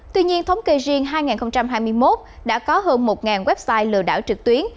tuy nhiên thống kê riêng hai nghìn hai mươi một đã có hơn một website lừa đảo trực tuyến